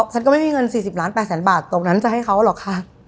ฉันก็ไม่มีเงิน๔๐ล้าน๘แสนบาทตรงนั้นจะให้เขาหรอกค่ะ